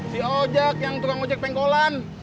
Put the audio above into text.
si ojak yang tukang ojek penggolan